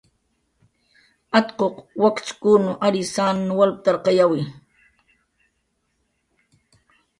Atquq wakchkun arysann walptarqayawi.